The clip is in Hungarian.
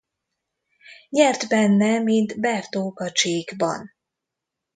Nyert benne, mint Bertók a csíkban.